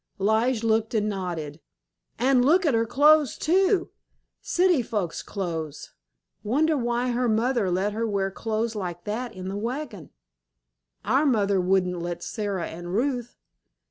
Lige looked and nodded. "An' look at her clothes, too! City folks' clothes. Wonder why her mother let her wear clothes like that in the wagon? Our mother wouldn't let Sara and Ruth."